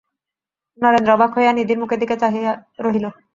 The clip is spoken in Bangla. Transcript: নরেন্দ্র অবাক হইয়া নিধির মুখের দিকে চাহিয়া রহিল।